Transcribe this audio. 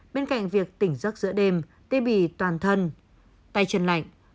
bên cạnh việc tỉnh giấc giữa đêm tê bì toàn thân tay chân lạnh